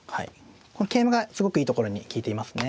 この桂馬がすごくいいところに利いていますね。